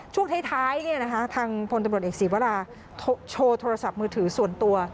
ช่วงท้ายทางพลตำรวจเอกศีวราโชว์โทรศัพท์มือถือส่วนตัว